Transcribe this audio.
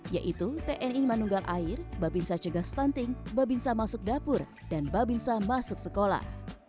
yaitu tni manunggal air babinsa cegah stunting babinsa masuk dapur dan babinsa masuk sekolah